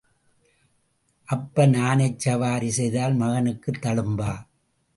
அப்பன் ஆனைச் சவாரி செய்தால் மகனுக்குத் தழும்பா?